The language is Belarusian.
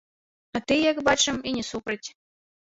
А тыя, як бачым, і не супраць.